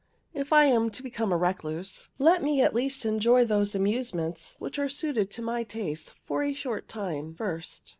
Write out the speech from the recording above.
If I am to become a recluse, let me at least enjoy those amusements which are suited to my taste a short time first.